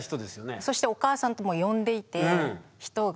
ずっとそしてお母さんとも呼んでいて人が。